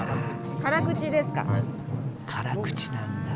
辛口なんだ？